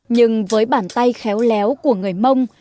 nhưng với bản tay khéo léo của người mông